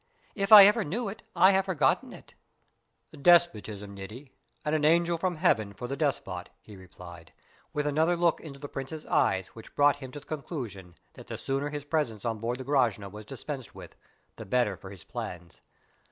"If I ever knew it, I have forgotten it." "Despotism, Niti and an angel from heaven for the despot," he replied, with another look into the Prince's eyes which brought him to the conclusion that the sooner his presence on board the Grashna was dispensed with the better for his plans.